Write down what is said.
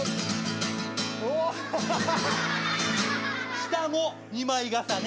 下も２枚重ね。